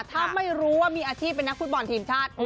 ถ้าไม่รู้ว่ามีอาชีพเป็นนักฟุตบอลทีมชาติ